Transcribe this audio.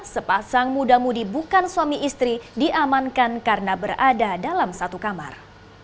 sepasang muda mudi bukan suami istri diamankan karena berada dalam satu kamar